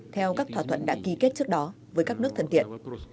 theo các thỏa thuận đã ký kết trước đó với các nước thân thiện